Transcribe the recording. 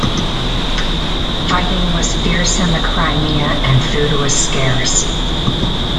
Fighting was fierce in the Crimea and food was scarce.